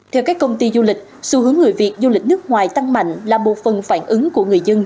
theo các công ty du lịch xu hướng người việt du lịch nước ngoài tăng mạnh là một phần phản ứng của người dân